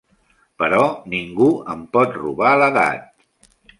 Però ningú em pot robar l'edat.